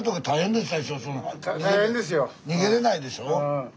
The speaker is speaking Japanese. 逃げれないでしょう？